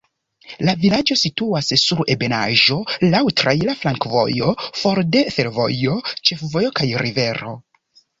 La vilaĝo situas sur ebenaĵo, laŭ traira flankovojo, for de fervojo, ĉefvojo kaj rivero.